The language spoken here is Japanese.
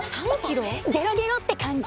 ゲロゲロって感じ！